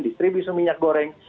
distribusi minyak goreng